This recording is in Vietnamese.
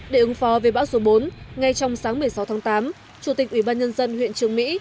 để ứng phó với bão số bốn ngay trong sáng một mươi sáu tháng tám chủ tịch ủy ban nhân dân huyện trường mỹ